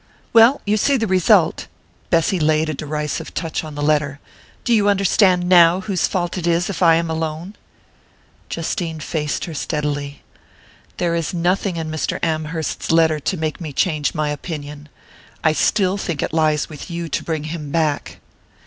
"Well, you see the result." Bessy laid a derisive touch on the letter. "Do you understand now whose fault it is if I am alone?" Justine faced her steadily. "There is nothing in Mr. Amherst's letter to make me change my opinion. I still think it lies with you to bring him back."